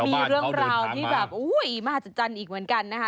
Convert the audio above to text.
มีเรื่องราวที่แบบมหัศจรรย์อีกเหมือนกันนะคะ